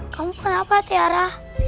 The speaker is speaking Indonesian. kamu kenapa tiara